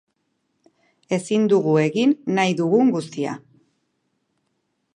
Ezin dugu egin nahi dugun guztia.